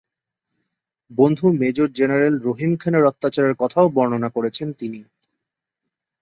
বন্ধু major general রহিম খানের অত্যাচারের কথাও বর্ণনা করেছেন তিনি।